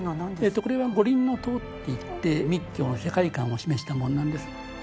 これは五輪塔っていって密教の世界観を示したものなんです。